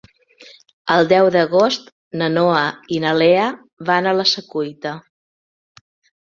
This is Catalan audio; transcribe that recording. El deu d'agost na Noa i na Lea van a la Secuita.